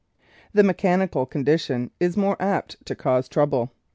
The mechanical con dition is more apt to cause trouble.